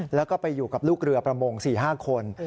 แล้วก็ไปอยู่กับลูกเรือประมง๔๕คน